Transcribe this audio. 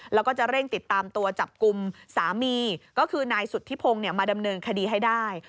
แล้วก็จะเร่งติดตามตัวจับกลุ่มสามีก็คือนายสุธิพงศ์มาดำเนินคดีให้ได้